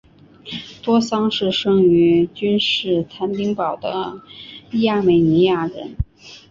多桑是生于君士坦丁堡的亚美尼亚人。